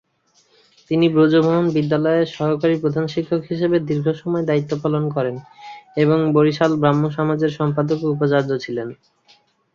তিনি ব্রজমোহন বিদ্যালয়ের সহকারী প্রধান শিক্ষক হিসেবে দীর্ঘসময় দায়িত্ব পালন করেন এবং বরিশাল ব্রাহ্মসমাজের সম্পাদক ও উপাচার্য ছিলেন।